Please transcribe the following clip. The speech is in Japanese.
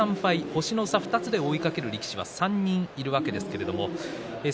星の差２つで追いかける力士は３人います。